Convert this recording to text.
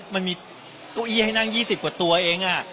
มีกองอี้ให้นั่งอยู่ยี่สิบกว่าตัวเอง